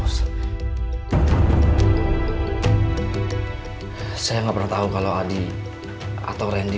sisi rumah ini